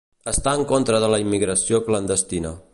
Està en contra de la immigració clandestina.